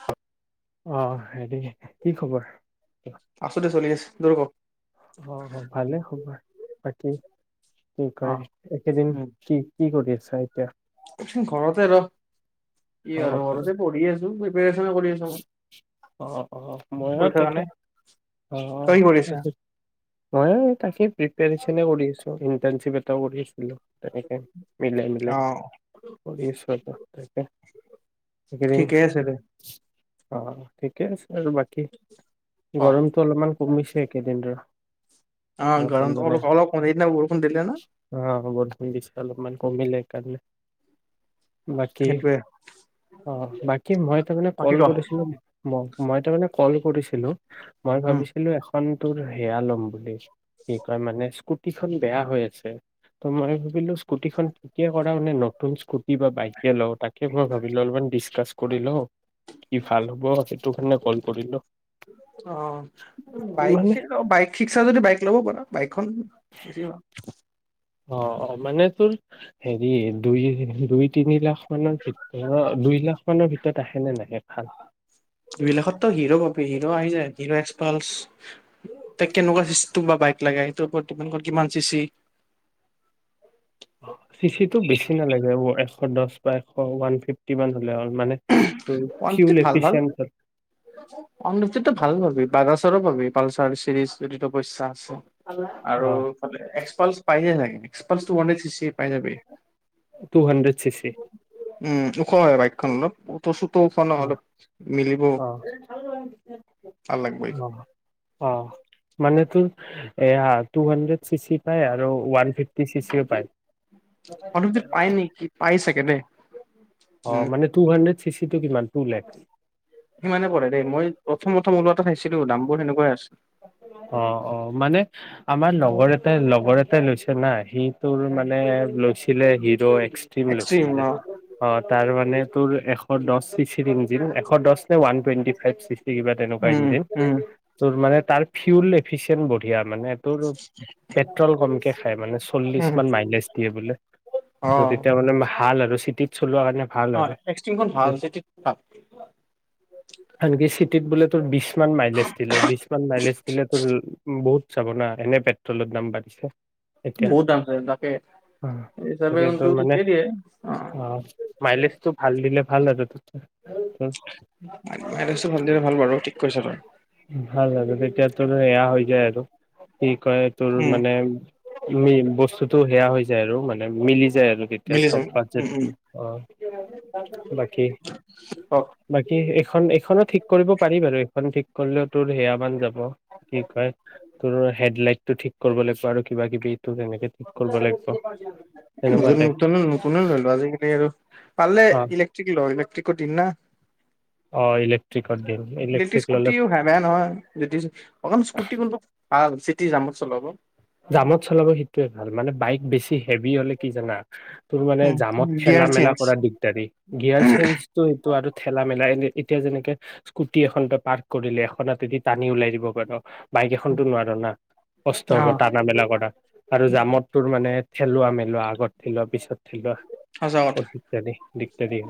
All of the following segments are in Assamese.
হ। আহ হেৰি কি খবৰ? আছো দে চলি আছে তোৰ ক অহ অহ ভালে খবৰ। বাকী? কি অ কই, একেদিন কি, কি কৰি আছে? চাহিত্য [unintelligible] চোন ঘৰতে ৰ, কি অ আৰু ঘৰত। ঘৰতে পঢ়ি আছোঁ। প্ৰিপাৰেচনো কৰি আছো, অ অ মইয়ো পৰীক্ষাৰ তাকে কাৰণে, তই কি কৰি আছ? হয় তাকেই। প্ৰিপাৰেচনে কৰি আছোঁ। ইন্টাৰনশিপ এটাও কৰি আছিলোঁ। [unintelligible] তেনেকে মিলাই অ মিলাই কৰি আছোঁ আৰু তাকেই এইকেইদিন ঠিকে আছে দে অ ঠিকেই অ্ আৰু বাকী অ গৰমতটো অলপমান কমিছে একেদিন, ৰ। অ অলপমান গৰমটো মানে অলপ, ‌ অ' সেইদিনা বৰষুণ দিলে ন? অ [unintelligible] বৰষুণ দিছে অলপমান কমিলে সেইকাৰণে। বাকী সেইটোয়ে অ, বাকী মই তাৰ মানে। বাকী কল ক কৰিছিলোঁ মই। মই তাৰমানানে ক'ল কৰিছিলো। মই উম ভাবিছিলো এখন তোৰ সেয়া ল'ম বুলি, কি কয় মানে, স্কুটি খন বেয়া হৈ আছে, ‌ ত মই ভাবিলো স্কুটি খন থিকে কৰা মানে নতুন স্কুটি বা বাইকে লও। তাকে মই ভাবিলো অলপমান ডিছকাচ কৰি‌ লও। [unintelligible] হ'ব সেইটো কাৰণে কল কৰিলোঁ। অ মানে বাইকে, বাইক শিক্সা যদি বাইক ল'ব পাৰা। বাইকখন [unintelligible] অ অ মানে তোৰ হেৰি দুই দুই তিনি লাখ মানৰ ভিতৰত দুই লাখ মানৰ ভিতৰত তত আহেনে নাই? বিলাকত তো হিৰ' পাবি। আহি যায়, হিৰ এক্স পালচ, তোক কেনেকুৱা চিচতেমৰ বা বাইক লাগে, সটো তমাক কিমান চিচি চি চি টো বেছি নালাগে মোক, এশ দহ বা এশ, ওৱান ফিফটি মান হ'লে‌ হ'ল। মানে ওৱান ফিফটি, ফিউল ভাল, ‌ ভাল। এফিচিয়েণ্ট ওৱান‌ ফিফটিততো ভাল পাবি। বাজাছৰো পাবি পালচাৰ চিৰিজটো, যদি তোৰ পইচা আৰু অ এক্সপাল পাই নাগে এক্সপাল টানড ছিক্স পাই যাবি টু হাণ্ড্ৰেড চিচি ওখ হয় বাইকখন অলপ। অঁ' তু অঁ', অঁ', ভাল লাগব এইখন। অঁ', অঁ'। মানেতো। এয়া টু হণ্ড্ৰেড। চি চি পায় আৰু ওৱান ফিফটি চিচিও পায়। অনুপজিত পাই নেকি পাই চাগে দেই। অঁ উম। মানে টু হাণ্ড্ৰেড। সিটো কিমান টু লেক্ সিমানে পৰে দেই। মই প্ৰথমতে। অঁ', অঁ। মানে আমাৰ লগৰ। তে লগৰ এটাই লৈছে না। সি তোৰ মানে লৈছিলে হিৰো এক্ এক্সট্ৰিম লৈছিলে। অ। অঁ' তাৰ মানে। এশ দিচ ইঞিন। এশ দ নে ৱান টেটি ফ কিবা তেনেকা কিন উম উম তোৰ মানে। তাৰ ফিউল এফিচিয়ণ্ট বঢ়িয়া। মানে তোৰ পেট্ৰল কমি হয় মানে চল্লিশ উম মান তেতিয়া মে ভাল। ৰছিতি অঁ' এক্সটিম খন ভাল। আনকি বোলে। উ্তৰ বিশ্ব বিশ মান মাইলেজ দিলে, বিশ মান মাইলেজ দিলে তো বহুত। চাব না, এনে পেট্ৰলৰ দাম বাঢ়িছে। এতিয়া বহুত দাম চ তাকে স হিচাপে গতিকে কিন্তু তোৰ মানে ঠিকেই দিয়ে অ মাইলেজটো ভাল দিলে ভাল আৰু অো ভাল-ভাল। ভাল জাগ তেতিয়া এয়া। আৰু কি কয় তোৰ উম মানে বস্তুতটো সেয়া হৈ যায় আৰু মানে মিলি যায় আৰু তেতিয়া মিলি চব যাব উম উম। ব অঁ' হক বাকী-বাকী। খন এইখনত। কৰিব পাৰি বাৰু। এইখন ঠিক কলেও তোৰ সেয়া মান যাব। কি কয় তোৰ হেডলাইট। টো ঠিক কৰিব লাগিবোৱা আৰু কিবা কিবি তেনেকে। ঠিক কৰিব লাগিব তেনেকুৱা নতুন টাইপ নতুন নতুন ললো আজিকালি আৰু পাৰিল অ ইলেক্ট্ৰিক লওঁ ইলেক্ট্ৰিক কঠি ন অ ইলেক্ট্ৰিকত দিম লেটিজ ইলেক্ট্ৰিক ললে স্কুটিও হে বেয়া নহয় লেটি অখন স্কুটি কোনটো ভাল চিটি জামত চলাব জামত চলাব সেইটোৱে ভাল মানে বাইক বেছি হেভি হলে কি জানা তোৰ মানে উম জামত ঠেলা গিয়াৰ মেলা চেঞ্জ কৰা দিগদাৰি গিয়াৰ চেজ ো সেইটো আৰু ঠেলা মেলা এ এতিয়া যেনেকে স্কুটি এখন পাৰ্ক কৰিলে এখনতে টানি ওলাই দিব পাৰ বাইক এখনতো নোৱাৰ না কস্ত অ বত াবেলাকৰ আৰু জামত তোৰ মানে থেলোৱা মেলোৱা আগত থিলোৱা পিছত থিলোৱা সঁচা কথা দিগদাৰি দিগদাৰি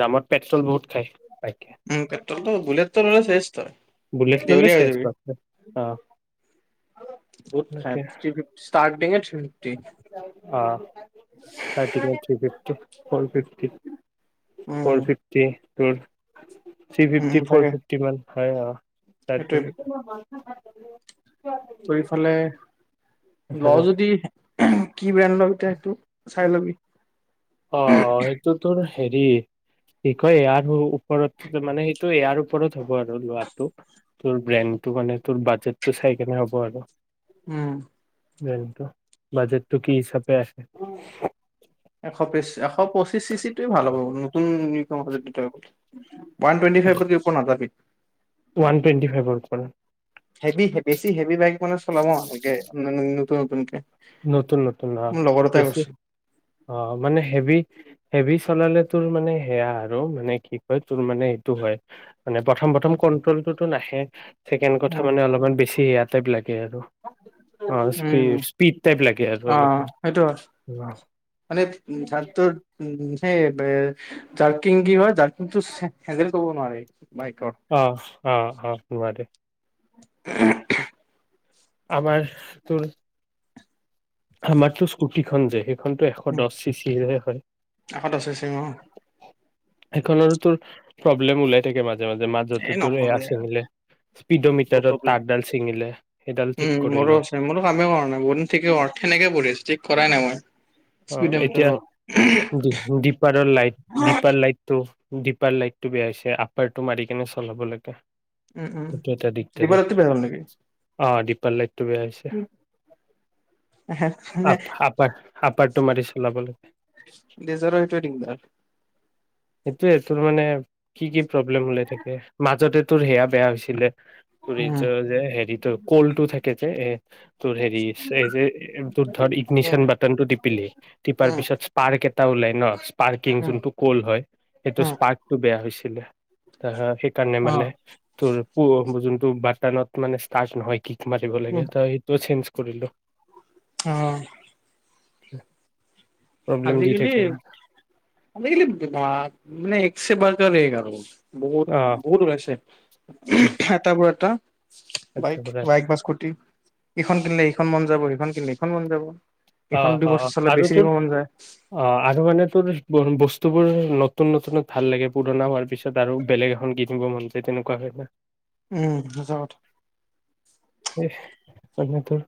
জামত পেট্ৰল বহুত খাই পাই উম পেট্ৰলটো বুলট তটো ল'লে শেষ ত বুলেট ললে দেল হৈ চেচ বাপৰে অ তাকে যাৰ অ থ থ ফিফি ফ ফিি ফ উম ফিফটি ঘোৰ থ্ৰী উম ফিফটি ফ'ৰ তাকে ফিফটি মান হয় অ তাৰ থিং সেইটোৱে উ ত ইফালে ল যদি কি ব্ৰেণ্ডৰ এতিয়া সটো খাই লবি অ অ সেইটোতো হেৰি কি কয় ইয়াৰ ওপৰত মানে সেইটো ইয়াৰ ওপৰত হ'ব আৰু লোৱাটো তোৰ ব্ৰেণ্ডটো মানে তোৰ বাজেটটো চাই কেনে হ'ব আৰু উম বতো বাজেটটো কি হিচাপে আছে এশ পছ এশ এশঁিশ চিচিটোৱে ভাল হ'ব উম কমাজট ান টুৱেটিাই পৰা ক ন তি ওৱান টেটি ফাইভৰ তাৰ হেভি বেছি হেভি বাইক মানে চলাবকে পুনকে নতুন নতুন আহ বেছি অ মানে হেভি হেভি চলালে তোৰ মানে সেয়া আৰু মানে কি কয় তোৰ মানে এইটো হয় মানে প্ৰথম প্ৰথম কন্ট্ৰলটোতো নাহে ছেকেড কথা উম মানে অলপমান বেছি হ ইয়াত টাইবিলাকেই আৰু অ উম স্পী অ সেইটো মানে উ ধানটো উ স জাৰ্কিং কি হয় জাৰ্কিংটো হেন্দেল কব নোৱাৰে অ অ অ মাৰে আহ আমাৰ তোৰ আমাৰতো স্কুটিখন যেহেতু এখনতো এশ দহ চিচিে হয় কাষত আছে চিম অ এখনৰ তোৰ প্ৰব্লেম ওলাই থাকে মাজে মাজে মাজে এই মাজতে তোৰ নকবি এয়া আৰু ছিঙিলে স্পীডৰ বহুত মিটাৰত প্ৰব্লেম তাঁাকডাল ছিঙিলে সেইডাল ঠিক উম মোৰো কৰিলো আছে মোৰো কামেই কৰা নাই বহুত দিন ঠিকে কৰা সেনেকে পৰিঢছ ঠিক কৰাই নাই মই অ এতিয়া স্পিডমিটাৰত দিপাৰৰ লাইট দিপাৰ লাইটটো দপাৰ লাইটটো বেয়া হৈছে আপাৰটো মাৰি কেনে চলাব লাগে উম উম সেইটো এটা দিবা দিগদাৰি ৰাতি বেয়া হ'ল নেকি অ দপাৰ লাইটটো বেয়া হৈছে মানে আপ আপাৰ আ টো মাৰি চলাবে নিজৰ সেইটোৱে দিগদাৰ তোৰ মানে কি কি প্ৰব্লেম ওলাই থাকে মাজতে তোৰ সেয়া বেয়া হৈছিলে উম ত যে হেৰিটো কলটো থাকে যে এ তোৰ হেৰি যে তোৰ ধৰ উম ইগনিচিয়ান বাটনটো টিপিলি টিপাৰ উম পিছত স্পাৰ্ক এটা ত ওলাই ন পাৰ্কিং উম যোনটো ক'ল হয় সেইটো হুম স্পাৰ্কটো বেয়া হৈছিলে সেইকাৰণে অ মানে তোৰ প যোনটো বত মানে ষ্ট নহয় কি মাৰিব লাগে ত সেইটো চে কৰিলো উ আ প্ৰব্লেম দি থাকে মানে। গিলি দি ন মানে একছেে বাৰ এঘাৰ বহুত বহুত ওলাইছে এট বোৰ এটা বাইক বাইক বা স্কুটি ইখন কিনিলে সিখন মন যাব, সিখন কিনিলে ইখন মন যাব। অ এইখন অ দুবছৰ চলিলে আৰু বেছি তোৰ দিব মন যায়। অ', আৰু মানে তোৰ বৰ-বস্তুবোৰ নতুন-নতুনত ভাল লাগে। পুৰণা হোৱাৰ পিছত আৰু বেলেগ এখন কিনিব মন যায়। তেনেকুৱা হয় না। উম, সঁচা কথা। এহ মানে তোৰ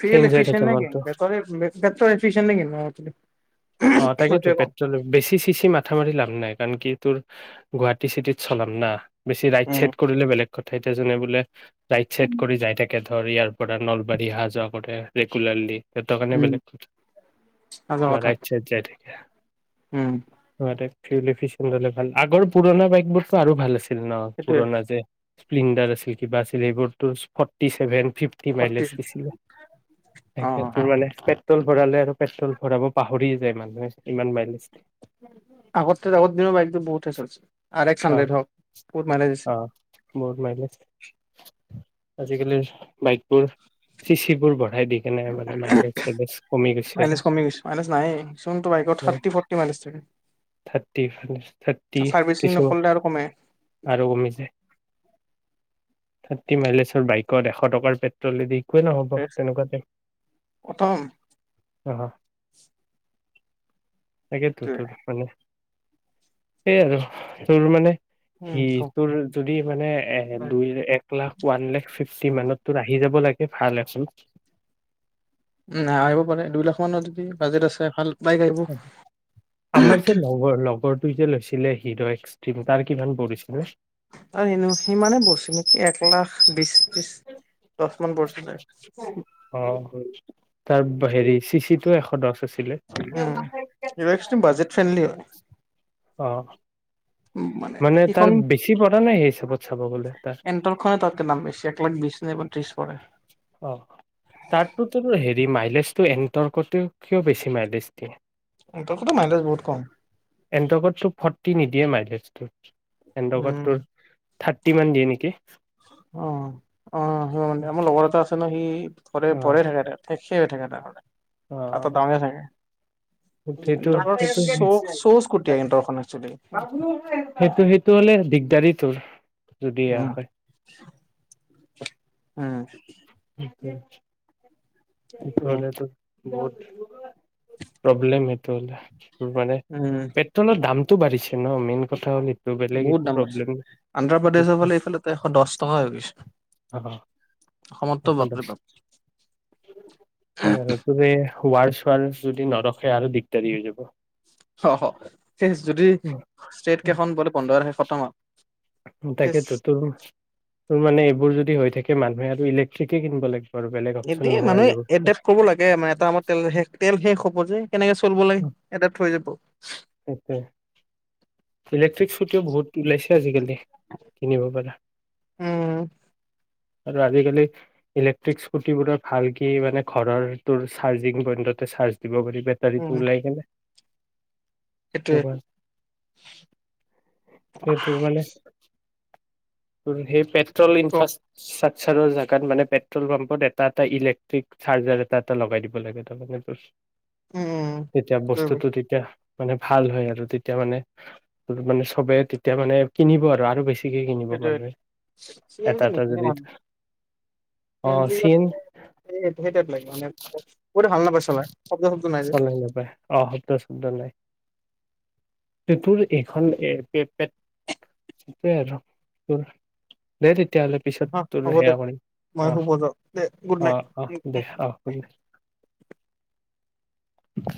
ফিউল চেঞ্জ হৈ থাকে এফিছিয়েন্ট এ কিন, মনটো বেটৰীৰ উম, পেট্ৰ'ল এফিছিয়েন্ট এ কিন অ, যদি উহ্হ অ ম‌ই তাকেতো সেইটোৱে কম। পেট্ৰল বেছি চিচি মাথা মাৰি লাভ নাই কাৰণ কি তোৰ গুৱাহাটী চিটিত চলাম না। বেছি উম ৰাইড-চাইট কৰিলে বেলেগ কথা, এতিয়া জোনে বোলে ৰাইড চাইট এতেকে, ধৰ ইয়াৰ পৰা নলবাৰী অহা-যোৱা কৰে ৰেগুলাৰলি। সিহঁতৰ কাৰণে উম বেলেগ কথা, সঁচা কথা ৰাইড-চাইট যাই থাকে উম সিহঁতে ফিউল এফিচিয়েন্ট হ'লে ভাল, আগৰ পুৰণা বাইকবোৰতহ আৰু ভাল আছি ছিল ন' সেইটোৱে পুৰণা যে স্প্লিনডাৰ আছিল, কিবা আছিল সেইবোৰটো forty seven fifty forty mileage দিছিলে, অ সেইটোৰ মানে পেট্ৰ'ল ভৰালে আৰু পেট্ৰ'ল ভৰাব পাহৰিয়েই যায় মানুহে, ইমান মাইলেজ দি আগতে আগৰ দিন বাইকবোৰ বহুতে চলিছিল আঢ়াই ভাল, অ', বহুত মাইলেজ আজিকালিৰ বাইকবোৰ চি চিবোৰ বঢ়াই দি কেনে মানে মাইলেজ চাইলেজ কমি গৈছে আৰু মাইলেজ কমি গৈছে মাইলেজ নাই যোনটো বাইকৰ অ', থাৰ্টি ফৰ্টি মাইলেজ থাকে থাৰ্টি মাইনাছ থাৰ্টি চাৰ্ভিচিং কিছু নকৰিলে আৰু কমে আৰু কমিছে। থাৰ্টি মাইলেজৰ বাইকত এশ টকাৰ পেট্ৰ'লে দি একোৱে নহ'ব তেনেকুৱাতে প্ৰথম অহ। সেনেকে [unintelligible] সেইটোৱে থাকবানে। সেই আৰু তোৰ মানে উম ক সি-তোৰ যদি মানে এ দুই-এক লাখ, ওৱান লাখ ফিফটি মানত তোৰ আহি যাব লাগে। ভালে আছোনা। উ, আহিব পাৰে দুই লাখ মানৰ যদি বাজেট আছে ভাল বাইক আহিব অহ, আমাৰ যে লগৰ-লগৰ সি যে লৈছিলে হৃদয় এক্সট্ৰিম তাৰ কিমান পৰিছ নিম ন সিমানে বছি নেকি এক লাখ বিশ ত্ৰিশ দহ মান পৰচ অ তাৰ হেৰি চি চি টোও এশ দহ আছে উম এইব বজেট ফ্ৰেণ্ডলি হয় অ মানে তাৰ বেছি পৰা নাই সেই হিচাপত চাব গলে তাৰ এণ্টৰখনে তাতকে দাম বেছি এক লাখ বিশ নে ত্ৰিশ পৰে আহ তাতোত হেৰি মাই জটো এ তৰ্কত কিয় বেছি মাৰ দিষ্ট দিয়ে এণ্টৰখনৰ মাইলেজ বহুত কম এনট কত চব ফৰ্তি নিদিয়ে মাইডজ ত এণ্ড উম তৰ থাৰ্টি মান দিয়ে নেকি অ' অ' মানে আমাৰ লগৰ এটা আছে। ভৰি পৰি থাকে। ঠেক হৈ থাকে। তাৰ অ টাউনে থাকে সেইটো সিহঁতৰ চ সেইটো চ' স্কুটি সিহঁতৰখন একচুৱেলি সেইটো সেইটো হলে দিগদাৰিত পিতুল যদি এয়া উম হয় উম উ উম সেতো অ প্ৰব্লেম সটো মানে উম পেট্ৰলৰ দাম টো বাঢ়িছে ন মেইন কথা হ'লে বহুত দাম আছে আন্ধ্ৰপ্ৰদেশৰ ফালে এইফালে এ এশ দহ টকা হৈ গৈছে অ' অসমততো বাপৰি বাপৰি অ আ ততে হোৱাৰ চোৱাৰ যদি নৰখ অ সেই যদি ষ্টট কেইখন বোলে পোন্ধৰ তশে শতমত তাকেতেতো তোৰ তোৰ মানে এইবোৰ যদি হৈ থে মানুহে আৰু ইলেক্্ৰিক কিনিব লাগে এ মানুহে এ কৰিব লাগে মানে এটা আত তেল তেল শেষ খ'বজ যে কেনেকে চলিব লাগে এট থৈ যাব ইলে্ট্ৰিক স্ুটিও বহুত লাইছে আজিকালি কিনিব পাৰা উম আৰু আজিকালি ইলেক্ট্ৰিক স্কুটিবোৰ ভালক মানে ঘৰৰ চাৰ্জিং পইন্টতে চাৰ্জ দিব কৰি বেটাৰীতটো ওলাই কেনে সটো স তোৰ মানে সেই পেট্ৰল ত ইনফ্ৰাষ্ট্ৰাকচাৰ জোত মানে পেট্ৰল পাম্পত এটা এটা ইলেক্ট্ৰিক চাৰ্জাৰ এটা এটা লগাই দিব লাগে তাৰে উম তেতিয়া বস্তুটো তেতিয়া মানে ভাল হয় আৰু তেতিয়া মানে মানে চবে তেতিয়া মানে কিনিব আৰু আৰু বেছি সেইটো নেি এটা যদি মানু অ সেই চিন লাগে মানে বহুত ভাল নাপাইছে চ নাপায় অ শদ শবদ তোৰ এইখন এ পটোৱে আৰু তোৰ দে তে তেতিয়াহ'লে পিছত হা তোৰ হ'ব দে সেয়া কৰিম মই শুব যাওঁ দে গুড আহ অ অ নাইট দে আহ দে ব